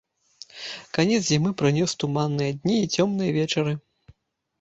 Канец зімы прынёс туманныя дні і цёмныя вечары.